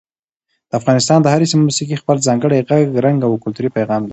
د افغانستان د هرې سیمې موسیقي خپل ځانګړی غږ، رنګ او کلتوري پیغام لري.